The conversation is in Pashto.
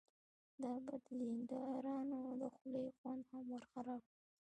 دا به د دیندارانو د خولې خوند هم ورخراب کړي.